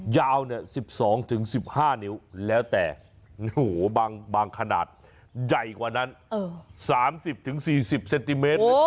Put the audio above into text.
ยาว๑๒๑๕นิ้วแล้วแต่บางขนาดใหญ่กว่านั้น๓๐๔๐เซนติเมตร